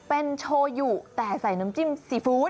เป็นโชยุแต่ใส่น้ำจิ้มซีฟู้ด